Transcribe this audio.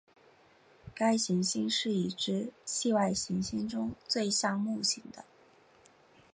该行星是已知系外行星中最像木星的。